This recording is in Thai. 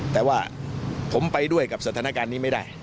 แต่ว่าผมไปด้วยกับสถานการณ์นี้ไม่ได้